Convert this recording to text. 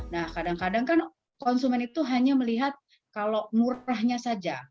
nah kadang kadang kan konsumen itu hanya melihat kalau murahnya saja